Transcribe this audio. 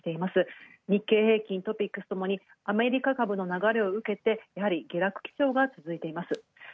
日経平均、ＴＯＰＩＸともにアメリカ株の流れを受けてやはり下落基調がつづいています。